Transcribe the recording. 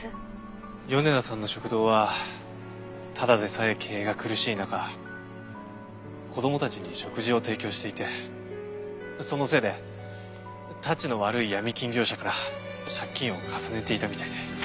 米田さんの食堂はただでさえ経営が苦しい中子供たちに食事を提供していてそのせいでたちの悪いヤミ金業者から借金を重ねていたみたいで。